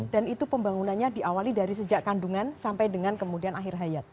dan itu pembangunannya diawali dari sejak kandungan sampai dengan kemudian akhir hayat